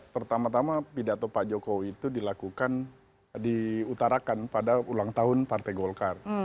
pertama tama pidato pak jokowi itu dilakukan diutarakan pada ulang tahun partai golkar